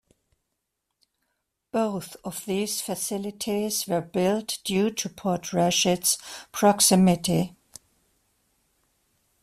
Both of these facilities were built due to Port Rashid's proximity.